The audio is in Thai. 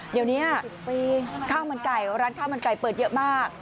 เดี๋ยวนี้ข้าวมันไก่ร้านข้าวมันไก่เปิดเยอะมาก